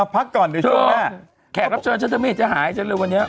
พักก่อนเดี๋ยวช่วงหน้าแขกรับเชิญชัดเตอร์เมตรจะหายชัดเตอร์เมตรวันนี้